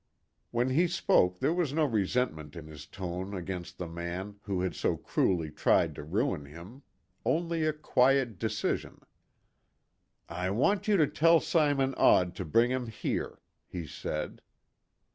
When he spoke there was no resentment in his tone against the man who had so cruelly tried to ruin him, only a quiet decision. "I want you to tell Simon Odd to bring him here," he said.